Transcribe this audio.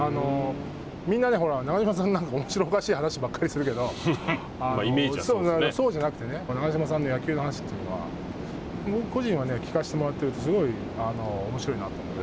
みんな、ほら長嶋さんはおもしろおかしい話ばっかりするけどそうじゃなくて、長嶋さんの野球の話というのは、僕個人は聞かせてもらっているとすごいおもしろいなと思ってね。